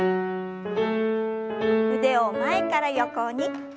腕を前から横に。